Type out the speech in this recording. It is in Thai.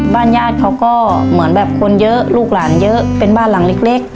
ญาติเขาก็เหมือนแบบคนเยอะลูกหลานเยอะเป็นบ้านหลังเล็ก